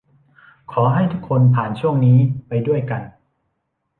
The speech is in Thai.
ขอให้ทุกคนผ่านช่วงนี้ไปด้วยกัน